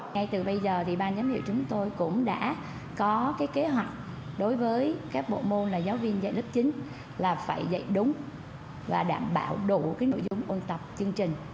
ngay từ bây giờ thì ban giám hiệu chúng tôi cũng đã có kế hoạch đối với các bộ môn là giáo viên dạy lớp chín là phải dạy đúng và đảm bảo đủ nội dung ôn tập chương trình